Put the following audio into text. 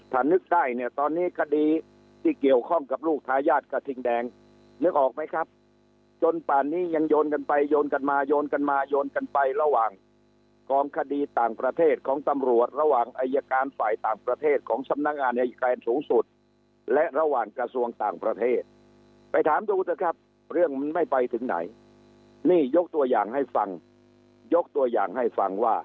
ถ้านึกได้เนี่ยตอนนี้คดีที่เกี่ยวข้องกับลูกทายาทกระทิงแดงนึกออกไหมครับจนป่านนี้ยังโยนกันไปโยนกันมาโยนกันมาโยนกันไประหว่างกองคดีต่างประเทศของตำรวจระหว่างอายการฝ่ายต่างประเทศของสำนักงานอายการสูงสุดและระหว่างกระทรวงต่างประเทศไปถามดูเถอะครับเรื่องมันไม่ไปถึงไหนนี่ยกตัวอย่างให้ฟังยกตัวอย่างให้ฟังว่า